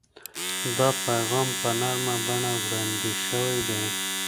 دا پیغام په نرمه بڼه وړاندې شوی دی.